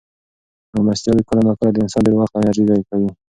مېلمستیاوې کله ناکله د انسان ډېر وخت او انرژي ضایع کوي.